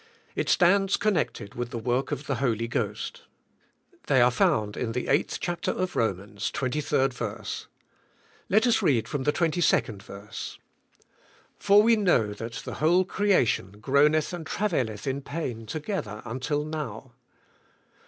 It stands connected with the work of the Holy Ghost. They are found in the 8th chapter of Romans, 23rd verse. Let us read from the 22nd verse. "For we know that the whole creation groaneth and travailqth in pain together until now."